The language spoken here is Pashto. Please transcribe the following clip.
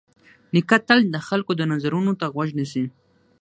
نیکه تل د خلکو د نظرونو ته غوږ نیسي.